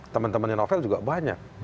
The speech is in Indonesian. teman temannya novel juga banyak